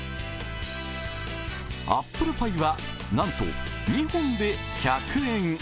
アップルパイはなんと２本で１００円。